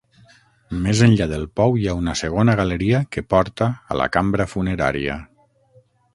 Més enllà del pou hi ha una segona galeria que porta a la cambra funerària.